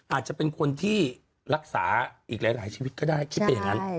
อาจจะเป็นคนที่รักษาอีกหลายชีวิตก็ได้คิดไปอย่างนั้น